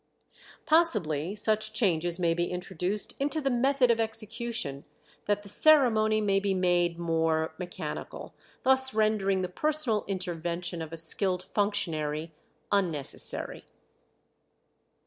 Possibly such changes may be introduced into the method of execution that the ceremony may be made more mechanical, thus rendering the personal intervention of a skilled functionary unnecessary.